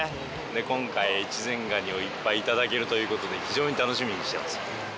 今回越前ガニをいっぱいいただけるということで非常に楽しみにしてます。